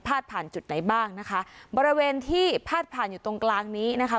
ผ่านจุดไหนบ้างนะคะบริเวณที่พาดผ่านอยู่ตรงกลางนี้นะคะ